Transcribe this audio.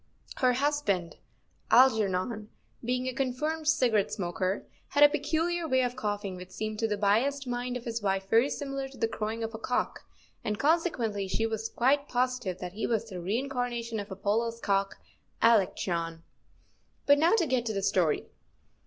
Her husband, Algernon, being a confirmed cigarette smoker, had a peculiar way of coughing which seemed to the biased mind of his wife very similar to the crowing of a cock, and consequently she was quite positive that he was the reincarnation of Apollo's cock, Alectryon. But now to get to the story.